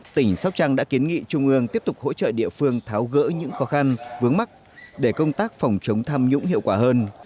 tỉnh sóc trăng đã kiến nghị trung ương tiếp tục hỗ trợ địa phương tháo gỡ những khó khăn vướng mắt để công tác phòng chống tham nhũng hiệu quả hơn